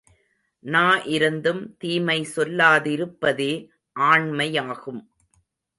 நா இருந்தும் தீமை சொல்லாதிருப்பதே ஆண்மையாகும்.